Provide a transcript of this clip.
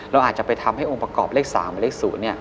เราอาจจะไปทำให้องค์ประกอบเลข๓หรือเลข๐